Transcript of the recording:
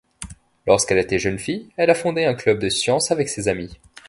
Lorsqu'elle était jeune fille, elle a fondé un club de sciences avec ses amies.